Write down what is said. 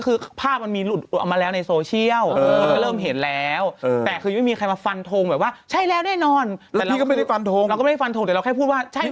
เราก็ไม่ใช่ฟันทองแต่เราแค่พูดว่า